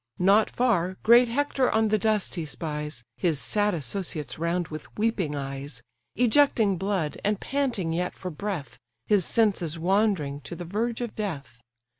Not far, great Hector on the dust he spies, (His sad associates round with weeping eyes,) Ejecting blood, and panting yet for breath, His senses wandering to the verge of death.